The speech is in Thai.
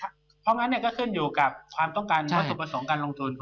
เพราะงั้นก็ขึ้นอยู่กับความต้องการวัตถุประสงค์การลงทุน